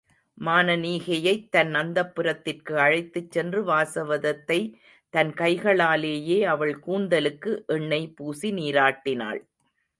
மானனீகையைத் தன் அந்தப்புரத்திற்கு அழைத்துச் சென்று வாசவதத்தை தன் கைகளாலேயே அவள் கூந்தலுக்கு எண்ணெய் பூசி நீராட்டினாள்.